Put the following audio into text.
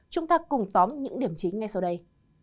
chúng ta cùng tóm những điểm chính ngay sau đây